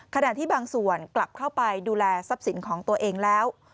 ขณะที่บางส่วนกลับเข้าไปดูแลทรัพย์สินของตัวเองแล้ว